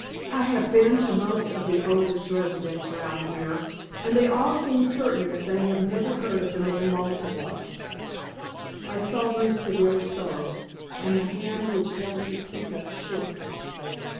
I have been to most of the oldest residents round here, and they all seem certain that they have never heard of the name Maltabar." I saw Bruce Deville start, and the hand which held his teacup shook.